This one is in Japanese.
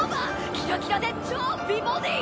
キラキラで超美ボディー！